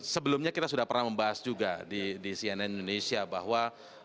sebelumnya kita sudah pernah membahas juga di cnn indonesia bahwa